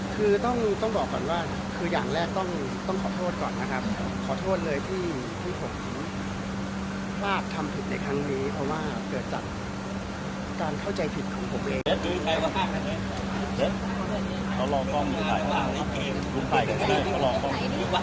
คือต้องบอกก่อนว่าคืออย่างแรกต้องขอโทษก่อนนะครับขอโทษเลยที่ผมพลาดทำผิดในครั้งนี้เพราะว่าเกิดจากการเข้าใจผิดของผมเอง